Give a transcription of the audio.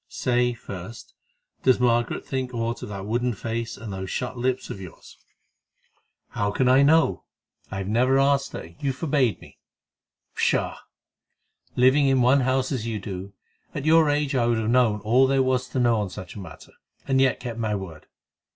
Say, first, does Margaret think aught of that wooden face and those shut lips of yours?" "How can I know? I have never asked her; you forbade me." "Pshaw! Living in one house as you do, at your age I would have known all there was to know on such a matter, and yet kept my word.